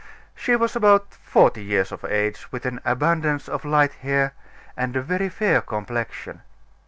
She was about forty years of age, with an abundance of light hair, and a very fair complexion.